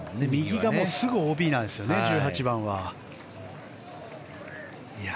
右がすぐＯＢですね１８番は。